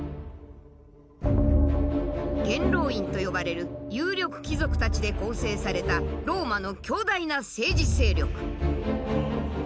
元老院と呼ばれる有力貴族たちで構成されたローマの強大な政治勢力。